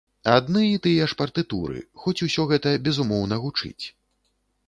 Адны і тыя ж партытуры, хоць усё гэта, безумоўна, гучыць.